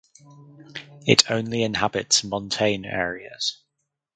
It only inhabits montane areas.